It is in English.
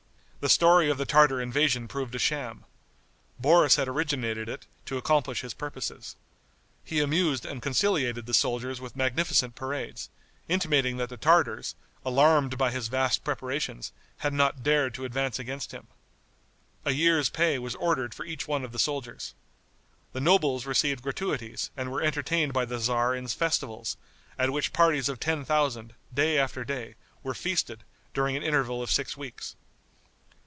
The story of the Tartar invasion proved a sham. Boris had originated it to accomplish his purposes. He amused and conciliated the soldiers with magnificent parades, intimating that the Tartars, alarmed by his vast preparations, had not dared to advance against him. A year's pay was ordered for each one of the soldiers. The nobles received gratuities and were entertained by the tzar in festivals, at which parties of ten thousand, day after day, were feasted, during an interval of six weeks.